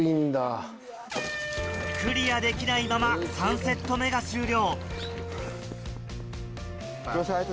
クリアできないまま３セット目が終了。